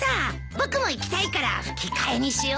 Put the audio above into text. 僕も行きたいから吹き替えにしようよ。